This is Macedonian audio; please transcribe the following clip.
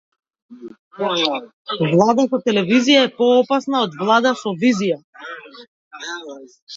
Влада со телевизија е поопасна од влада со визија.